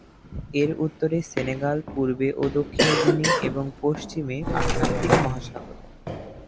এর উত্তরে সেনেগাল, পূর্বে ও দক্ষিণে গিনি, এবং পশ্চিমে আটলান্টিক মহাসাগর।